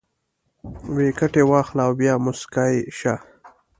ویکټې واخله او بیا موسکی شه